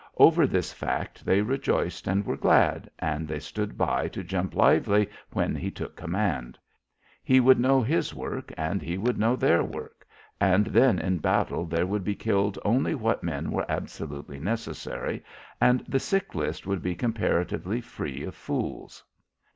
Over this fact they rejoiced and were glad, and they stood by to jump lively when he took command. He would know his work and he would know their work, and then in battle there would be killed only what men were absolutely necessary and the sick list would be comparatively free of fools.